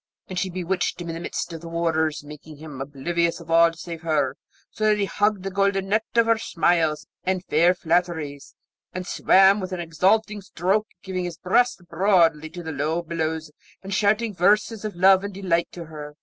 And she bewitched him in the midst of the waters, making him oblivious of all save her, so that he hugged the golden net of her smiles and fair flatteries, and swam with an exulting stroke, giving his breast broadly to the low billows, and shouting verses of love and delight to her.